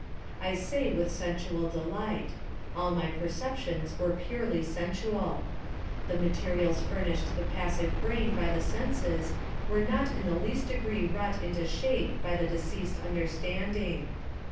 I say with a sensual delight. All my perceptions were purely sensual. The materials furnished the passive brain by the senses were not in the least degree wrought into shape by the deceased understanding.